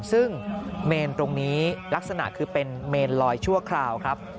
ซึ่งเมนตรงนี้ลักษณะคือเป็นเมนลอยชั่วคราวครับ